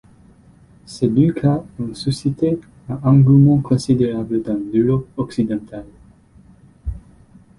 Ces deux cas ont suscité un engouement considérable dans l’Europe occidentale.